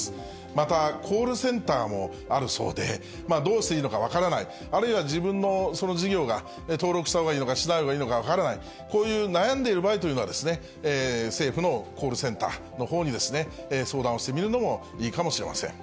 またコールセンターもあるそうで、どうしていいのか分からない、あるいは自分のその事業が登録したほうがいいのか、しないほうがいいのか分からない、こういう悩んでいる場合というのは、政府のコールセンターのほうに相談をしてみるのもいいかもしれません。